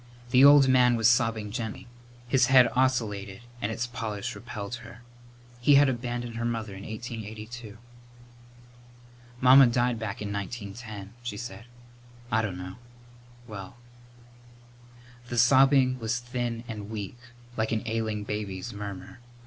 The old man was sobbing gently. His head oscillated and its polish repelled her. He had abandoned her mother in 1882. "Mamma died back in 1910," she said. "I dunno well " The sobbing was thin and weak, like an ailing baby's murmur.